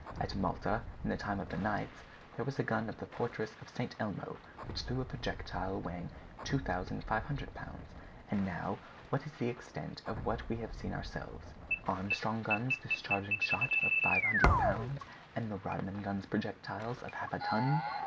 At Malta, in the time of the knights, there was a gun of the fortress of St. Elmo which threw a projectile weighing 2,500 pounds. And, now, what is the extent of what we have seen ourselves? Armstrong guns discharging shot of 500 pounds, and the Rodman guns projectiles of half a ton!